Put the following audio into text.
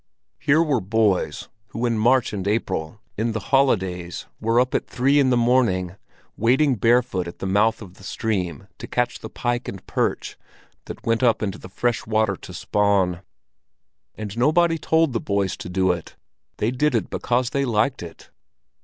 Here were boys who in March and April—in the holidays—were up at three in the morning, wading barefoot at the mouth of the stream to catch the pike and perch that went up into the fresh water to spawn. And nobody told the boys to do it; they did it because they liked it!